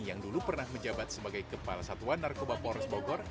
yang dulu pernah menjabat sebagai kepala satuan narkoba polres bogor